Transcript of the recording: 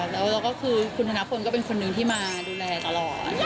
แล้วก็คือคุณธนพลก็เป็นคนนึงที่มาดูแลตลอด